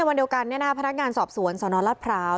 วันเดียากันในพนักงานสอบสู่ส่วนนรกปราว